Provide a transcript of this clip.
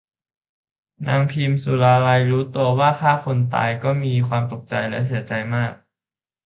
นางพิมสุราลัยรู้ตัวว่าฆ่าคนตายก็มีความตกใจและเสียใจมาก